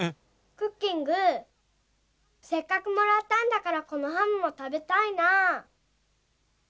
クッキングせっかくもらったんだからこのハムもたべたいなぁ。